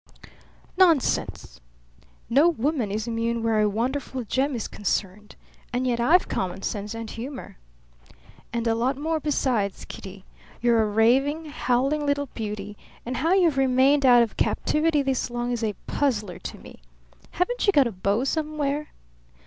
"Nonsense! No woman is immune where a wonderful gem is concerned. And yet I've common sense and humour." "And a lot more besides, Kitty. You're a raving, howling little beauty; and how you've remained out of captivity this long is a puzzler to me. Haven't you got a beau somewhere?"